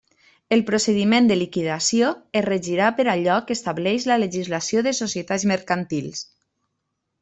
El procediment de liquidació es regirà per allò que estableix la legislació de societats mercantils.